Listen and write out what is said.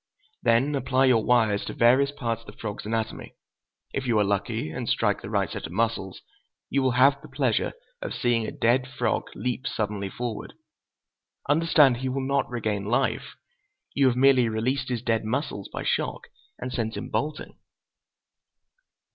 Then apply your wires to various parts of the frog's anatomy. If you are lucky, and strike the right set of muscles, you will have the pleasure of seeing a dead frog leap suddenly forward. Understand, he will not regain life. You have merely released his dead muscles by shock, and sent him bolting."